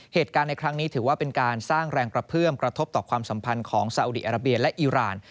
เหตุการณ์ในครั้งนี้ถือว่าเป็นการสร้างแรงกระเพื่อมกระทบต่อความสัมพันธ์ของซาอุดีอาราเบียและอิราณ